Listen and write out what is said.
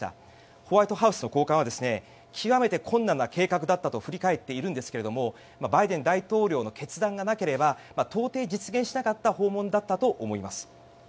ホワイトハウスの高官は極めて困難な計画だったと振り返っているんですがバイデン大統領の決断がなければ到底実現しなかった訪問だったと思います。